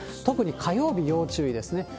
特に火曜日、要注意ですね。